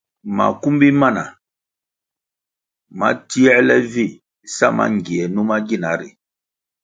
Makumbi mana mana ma tierle vi sa mangie numa gina ri.